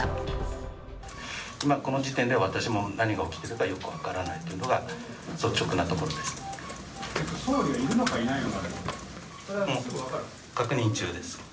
今、この時点で私も何が起きてるかよく分からないというのが、率直な総理がいるのかいないのか、確認中です。